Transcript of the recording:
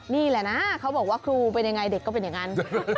นี่แหละนะเขาบอกว่าครูเป็นยังไงเด็กก็เป็นอย่างนั้น